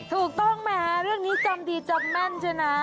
ถูกต้องไหมเรื่องนี้จำดีจำแม่นใช่นะ